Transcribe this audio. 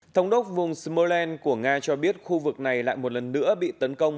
thống đốc vùng smolens của nga cho biết khu vực này lại một lần nữa bị tấn công